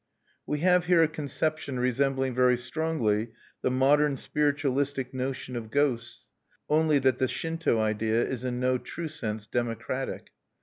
We have here a conception resembling very strongly the modern Spiritualistic notion of ghosts, only that the Shinto idea is in no true sense democratic.